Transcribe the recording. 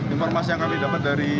informasi yang kami dapat dari